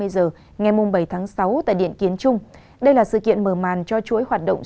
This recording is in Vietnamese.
từ ngày bảy tháng sáu tại điện kiến trung đây là sự kiện mở màn cho chuỗi hoạt động